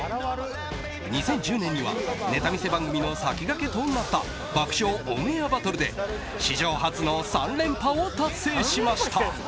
２０１０年にはネタ見せ番組の先駆けとなった「爆笑オンエアバトル」で史上初の３連覇を達成しました。